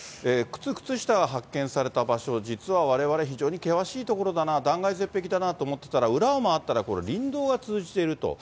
靴、靴下が発見された場所、実はわれわれ、非常に険しい所だな、断崖絶壁だなと思っていたら、裏を回ったら、これ、林道が通じていると。